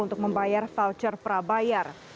untuk membayar voucher prabayar